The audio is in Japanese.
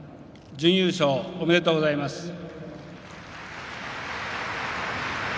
準優勝、おめでとうございます。